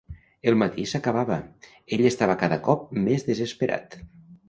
El matí s'acabava; ell estava cada cop més desesperat.